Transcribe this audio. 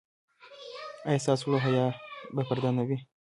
ایا ستاسو حیا به پرده نه وي؟